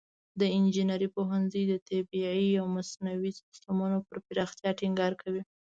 د انجینري پوهنځی د طبیعي او مصنوعي سیستمونو پر پراختیا ټینګار کوي.